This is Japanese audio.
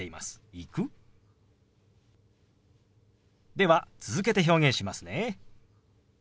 では続けて表現しますね。